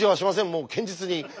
もう堅実に。